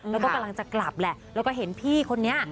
แล้วก็กำลังจะกลับแหละแล้วก็เห็นพี่คนนี้